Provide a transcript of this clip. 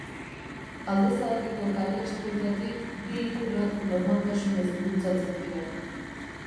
Alde zaharreko kale estuetatik bi ikurrak normaltasunez gurutzatzen dira.